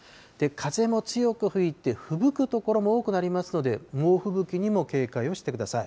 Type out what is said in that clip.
風も強く吹いて、ふぶく所も多くなりますので、猛吹雪にも警戒をしてください。